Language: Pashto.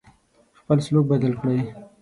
خپل سلوک بدل کړی.